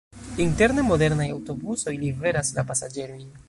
Interne modernaj aŭtobusoj liveras la pasaĝerojn.